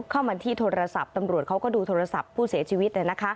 เข้ามาที่โทรศัพท์ตำรวจเขาก็ดูโทรศัพท์ผู้เสียชีวิต